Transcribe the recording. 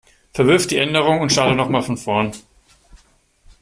Verwirf die Änderungen und starte noch mal von vorn.